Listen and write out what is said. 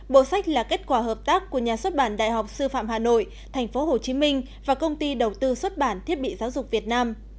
bộ sách là kết quả hợp tác của nhà xuất bản đại học sư phạm hà nội tp hcm và công ty đầu tư xuất bản thiết bị giáo dục việt nam